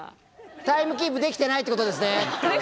「タイムキープできてないってことですね？」って言われてたよ。